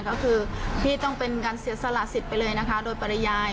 ก็คือพี่ต้องเป็นการเสียสละสิทธิ์ไปเลยนะคะโดยปริยาย